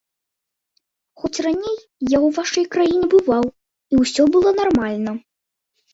Хоць раней я ў вашай краіне бываў і ўсё было нармальна.